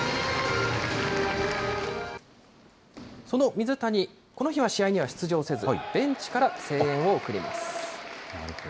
その水谷、この日は試合には出場せず、ベンチから声援を送ります。